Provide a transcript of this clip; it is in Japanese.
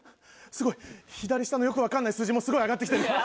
すごい。左下のよくわかんない数字もすごい上がってきてる。